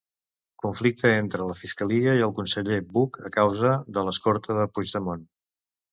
Conflicte entre la fiscalia i el conseller Buch a causa de l'escorta de Puigdemont.